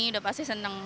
sudah pasti senang